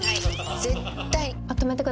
絶対」